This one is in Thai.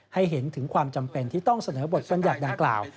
ให้เห็นถึงความจำเป็นที่ต้องเสนอบทบัญญัติดังกล่าว